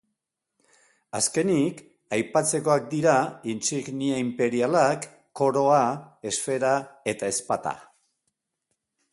Azkenik aipatzekoak dira intsignia inperialak, koroa, esfera eta ezpata.